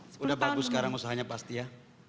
sudah bagus sekarang usahanya pasti ya